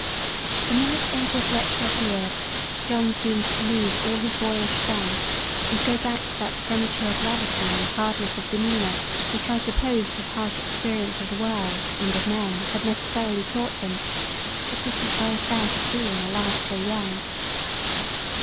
The minute Abel Fletcher appeared, John seemed to lose all his boyish fun, and go back to that premature gravity and hardness of demeanour which I supposed his harsh experience of the world and of men had necessarily taught him; but which was very sad to see in a lad so young.